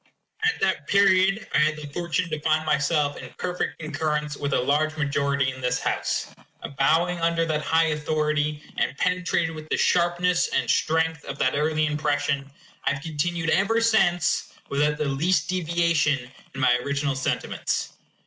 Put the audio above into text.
At that period I had the fortune to find myself in perfect concurrence with a large majority in this House. Bowing under that high authority, and penetrated with the sharpness and strength of that early impression, I have continued ever since, without the least deviation, in my original sentiments.